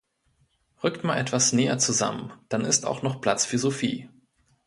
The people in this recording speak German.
Rückt mal etwas näher zusammen, dann ist auch noch Platz für Sophie.